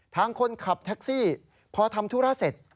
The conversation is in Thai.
ทางคนขับแท็กซี่พอทำธุระเสร็จ